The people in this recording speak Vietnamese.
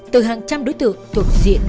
từ hàng trăm đối tượng thuộc diện